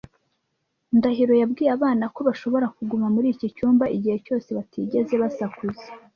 Ndahiro yabwiye abana ko bashobora kuguma muri iki cyumba igihe cyose batigeze basakuza.